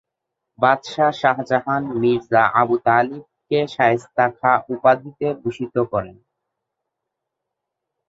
বাদশাহ শাহজাহান মির্জা আবু তালিব-কে শায়েস্তা খাঁ উপাধিতে ভূষিত করেন।